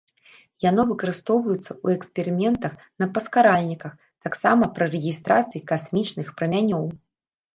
Яно выкарыстоўваецца ў эксперыментах на паскаральніках, таксама пры рэгістрацыі касмічных прамянёў.